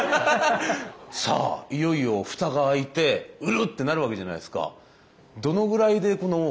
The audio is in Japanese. さあいよいよ蓋が開いて「売る！」ってなるわけじゃないですか。